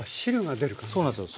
そうなんですよ。